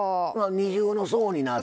二重の層になって。